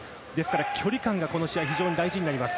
距離感が、この試合非常に大事になります。